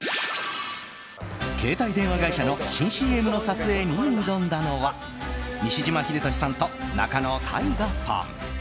携帯電話会社の新ＣＭの撮影に挑んだのは西島秀俊さんと仲野太賀さん。